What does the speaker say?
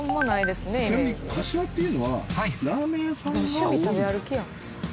ちなみに柏っていうのはラーメン屋さんが多いんですか？